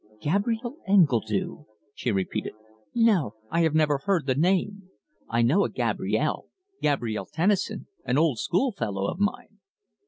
"Gabrielle Engledue?" she repeated. "No, I have never heard the name. I know a Gabrielle Gabrielle Tennison an old schoolfellow of mine."